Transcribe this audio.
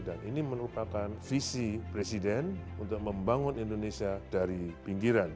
ini merupakan visi presiden untuk membangun indonesia dari pinggiran